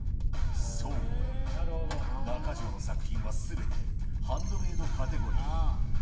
そう、中城の作品はすべて、ハンドメイドカテゴリーに。